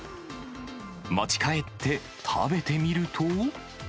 持ち帰って食べてみると。